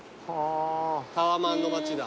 タワマンの街だ。